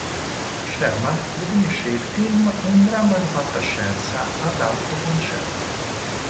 Sherman definisce il film un dramma di fantascienza ad "alto concetto".